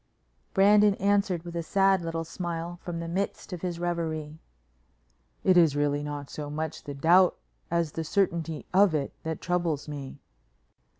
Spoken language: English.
Brandon answered with a sad little smile from the midst of his reverie. "It is really not so much the doubt as the certainty of it that troubles me."